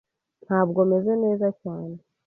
Ntabwo meze neza cyane.